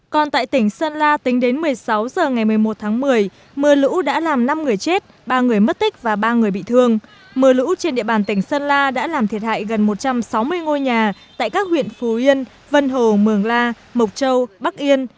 còn tại tỉnh sơn la tính đến một mươi sáu h ngày một mươi một tháng một mươi mưa lũ đã làm năm người chết ba người mất tích và ba người bị thương mưa lũ trên địa bàn tỉnh sơn la đã làm thiệt hại gần một trăm sáu mươi ngôi nhà tại các huyện phú yên vân hồ mường la mộc châu bắc yên